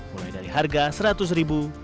mulai dari harga rp seratus